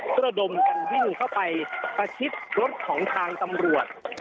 ระดมกันวิ่งเข้าไปประชิดรถของทางตำรวจ